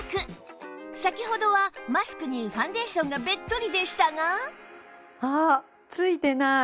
先ほどはマスクにファンデーションがべっとりでしたが